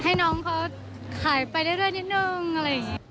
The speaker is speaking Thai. ให้น้องเขาขายไปเรื่อยนิดนึงอะไรอย่างนี้